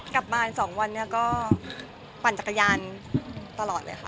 กลับบ้านส่วนเดียวเนี่ยก็ปั่นจักรยานตลอดเลยค่ะ